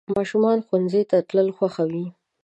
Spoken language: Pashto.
ماشومان ښوونځي ته تلل خوښوي.